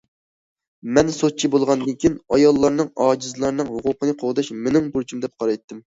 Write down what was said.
مەن سوتچى بولغاندىكىن، ئاياللارنىڭ، ئاجىزلارنىڭ ھوقۇقىنى قوغداش مېنىڭ بۇرچۇم دەپ قارايتتىم.